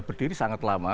berdiri sangat lama